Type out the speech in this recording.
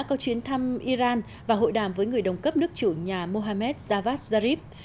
có chuyến thăm iran và hội đàm với người đồng cấp nước chủ nhà mohammed javad zarif